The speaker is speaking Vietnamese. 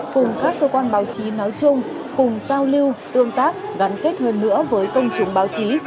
cùng các cơ quan báo chí nói chung cùng giao lưu tương tác gắn kết hơn nữa với công chúng báo chí